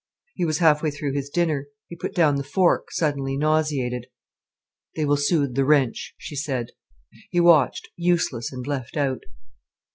He was half way through his dinner. He put down the fork, suddenly nauseated. "They will soothe the wrench," she said. He watched, useless and left out.